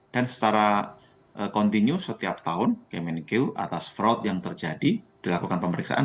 dan secara kontinu setiap tahun kemenkyu atas fraud yang terjadi dilakukan pemeriksaan